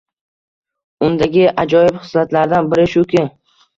Undagi ajoyib xislatlardan biri shuki